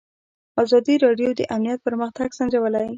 ازادي راډیو د امنیت پرمختګ سنجولی.